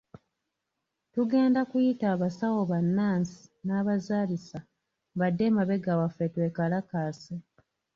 Tugenda kuyita abasawo bannansi n'abazaalisa badde emabega waffe twekalakaase.